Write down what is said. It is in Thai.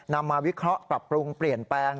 นำมาวิเคราะห์ปรับปรุงเปลี่ยนแปลง